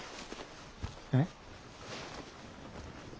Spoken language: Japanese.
えっ？